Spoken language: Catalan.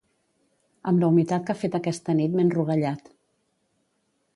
Amb la humitat que ha fet aquesta nit m'he enrogallat.